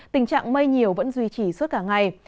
tình trạng mây nhiều vẫn duy trì suốt cả ngày